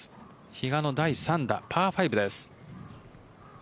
比嘉の第３打、パー５です。